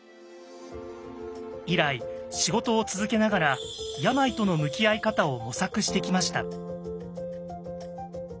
以来仕事を続けながら病との向き合い方を模索してきました。